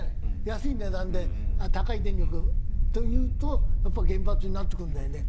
安い値段で高い電力というとやっぱ原発になってくるんだよね